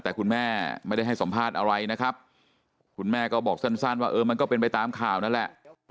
แต่คุณแม่ไม่ได้ให้สัมภาษณ์อะไรนะครับคุณแม่ก็บอกสั้นว่าเออมันก็เป็นไปตามข่าวนั่นแหละ